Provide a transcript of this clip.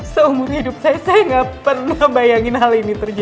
seumur hidup saya saya gak pernah bayangin hal ini terjadi